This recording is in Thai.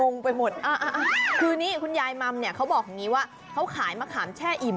น่ะครูนี่คุณยายมัมเขาบอกว่าค้าขายมะขามแช่อิ่ม